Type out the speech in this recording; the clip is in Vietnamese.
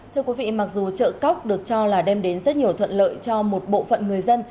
thưa quý vị mặc dù chợ cóc được cho là đem đến rất nhiều thuận lợi cho một bộ phận người dân